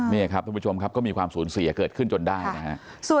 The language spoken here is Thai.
นี่ครับทุกผู้ชมครับก็มีความสูญเสียเกิดขึ้นจนได้นะครับ